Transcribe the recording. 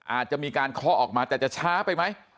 อาจจะมีการเคาะออกมาแต่จะช้าไปไหม